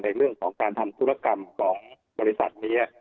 ในเรื่องของการทำธุรกรรมของบริษัทนี้